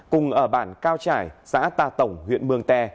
cùng ở bản cao trải xã ta tổng huyện mường tè